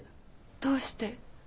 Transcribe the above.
どうして。